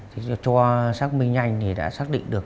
thì cho xác minh nhanh thì đã xác định được